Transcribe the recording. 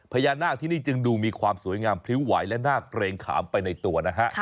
พญานาคที่นี่จึงดูมีความสวยงามพริ้วไหวและน่าเกรงขามไปในตัวนะฮะ